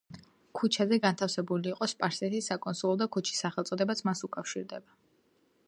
ქუჩაზე განთავსებული იყო სპარსეთის საკონსულო და ქუჩის სახელწოდებაც მას უკავშირდება.